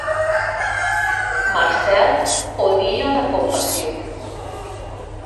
Marcel odia la compassió.